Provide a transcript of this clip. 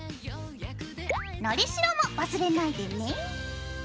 のりしろも忘れないでね。